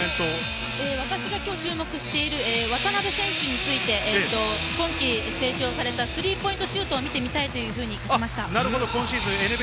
私が今日注目している渡邊選手について、今季、成長されたスリーポイントシュートを見てみたいと書き込みました。